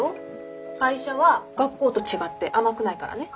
会社は学校と違って甘くないからね。